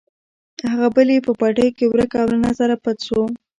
هغه بل یې په پټیو کې ورک او له نظره پټ شو.